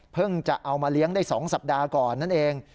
จะเอามาเลี้ยงได้๒สัปดาห์ก่อนนั่นเอง